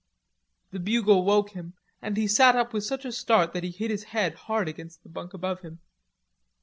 The bugle woke him, and he sat up with such a start that he hit his head hard against the bunk above him.